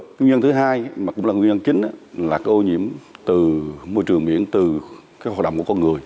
nguyên nhân thứ hai mà cũng là nguyên nhân chính là cái ô nhiễm từ môi trường biển từ cái hoạt động của con người